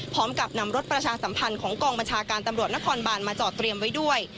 พร้อมกับนำรถประชาสัมพันธ์ของกองบัญชาการตำรวจนครบานมาจอดเตรียมไว้ด้วย